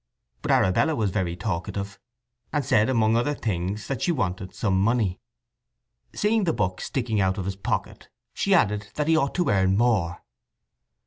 But Arabella was very talkative, and said among other things that she wanted some money. Seeing the book sticking out of his pocket she added that he ought to earn more.